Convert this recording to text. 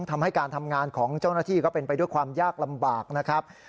ทำให้การทำงานของเจ้าหน้าที่ก็เป็นไปด้วยความยากลำบากนะครับ